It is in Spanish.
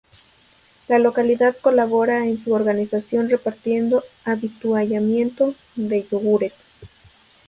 La localidad colabora en su organización repartiendo avituallamiento de yogures.